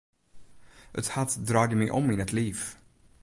It hart draaide my om yn it liif.